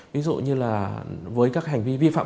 ví dụ như là với các hành vi vi phạm